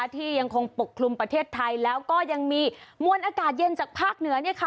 ที่ยังคงปกคลุมประเทศไทยแล้วก็ยังมีมวลอากาศเย็นจากภาคเหนือ